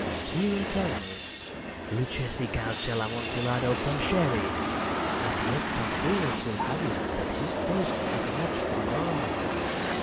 He will tell me—" "Luchesi cannot tell Amontillado from Sherry." "And yet some fools will have it that his taste is a match for your own."